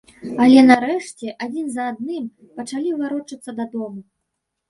Але, нарэшце, адзін за адным пачалі варочацца дадому.